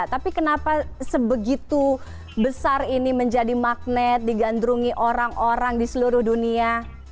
tapi kenapa sebegitu besar ini menjadi magnet digandrungi orang orang di seluruh dunia